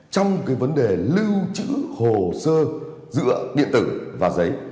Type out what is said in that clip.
trong cái vấn đề lưu chữ hồ sơ giữa điện tử và giấy